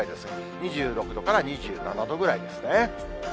２６度から２７度ぐらいですね。